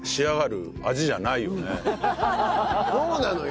そうなのよ。